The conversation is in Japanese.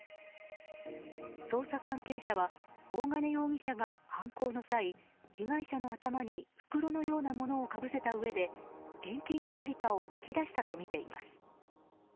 捜査関係者は大金容疑者が犯行の際被害者の頭に袋のようなものをかぶせたうえで現金のありかを聞き出したとみられています。